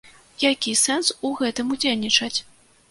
Які сэнс у гэтым удзельнічаць?